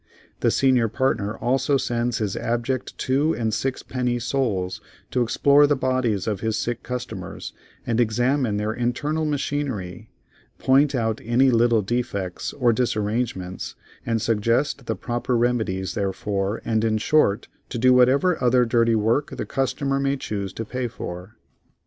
The senior partner also sends his abject two and sixpenny souls to explore the bodies of his sick customers and examine their internal machinery, point out any little defects or disarrangements, and suggest the proper remedies therefor, and in short, to do whatever other dirty work the customer may choose to pay for.